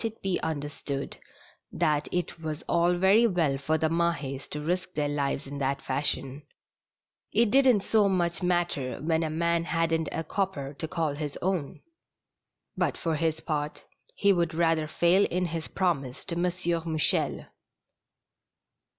it be understood that it was all very well for the Mah^s to risk their lives in that fashion ; it didn't so much matter when a man hadn't a copper to call his own ; but for his part, he would rather fail in his promise to M. Mouchel.